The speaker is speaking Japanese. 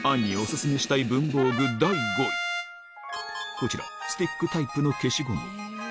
こちらスティックタイプの消しゴム